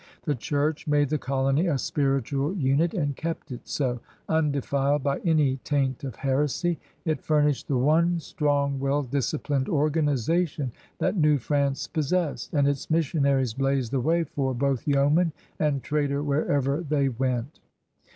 The Church made the colony a spiritual unit and kept it so, undefiled by any taint of heresy. It furnished the one strong, well disciplined organization that New France possessed, and its missionaries blazed the way for both yeoman and trader wherever they went.